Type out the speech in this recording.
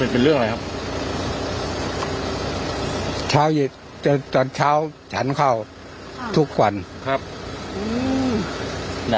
มันเป็นเรื่องอะไรครับเช้าหยิดตอนเช้าฉันเข้าค่ะทุกวันครับอืม